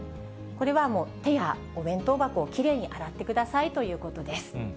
これは手やお弁当箱をきれいに洗ってくださいということです。